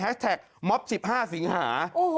แฮชแท็กม็อบ๑๕สิงหา